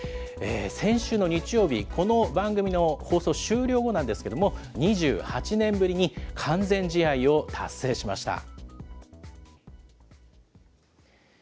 先週の日曜日、この番組の放送終了後なんですけれども、２８年ぶりに完全試合を達成しました。